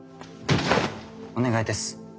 お願いです。